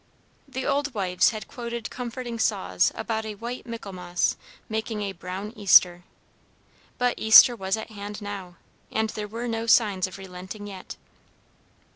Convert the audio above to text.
The old wives had quoted comforting saws about a "white Michaelmas making a brown Easter;" but Easter was at hand now, and there were no signs of relenting yet.